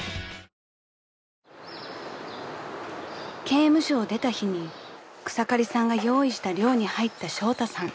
［刑務所を出た日に草刈さんが用意した寮に入ったショウタさん］